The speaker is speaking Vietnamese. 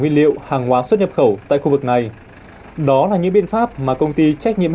nguyên liệu hàng hóa xuất nhập khẩu tại khu vực này đó là những biện pháp mà công ty trách nhiệm